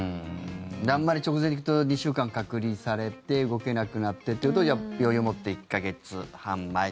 あんまり直前に行くと２週間隔離されて動けなくなってっていうと余裕持って、１か月半前。